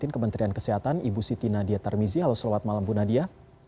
kementerian kesehatan ibu siti nadia tarmizi halo selamat malam bu nadia